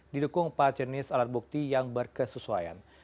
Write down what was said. didukung empat jenis alat bukti yang berkesesuaian